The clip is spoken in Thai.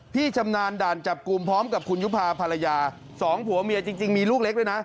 ชำนาญด่านจับกลุ่มพร้อมกับคุณยุภาพร่าสองผัวเมียจริงมีลูกเล็กด้วยนะ